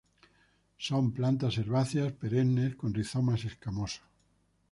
Son plantas herbáceas, perennes, con rizomas escamosos.